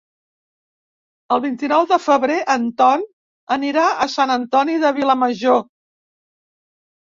El vint-i-nou de febrer en Ton anirà a Sant Antoni de Vilamajor.